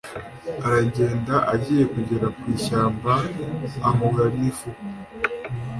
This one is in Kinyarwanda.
Aragenda, agiye kugera ku ishyamba ahura n'ifuku.